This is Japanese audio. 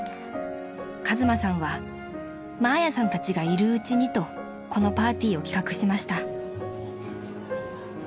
［和真さんはマーヤさんたちがいるうちにとこのパーティーを企画しました］